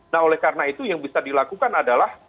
nah oleh karena itu yang bisa dilakukan adalah